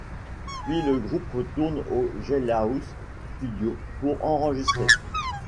Puis le groupe retourne aux Jailhouse Studios pour enregistrer '.